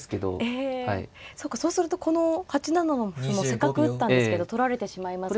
ええそうかそうするとこの８七の歩もせっかく打ったんですけど取られてしまいますし。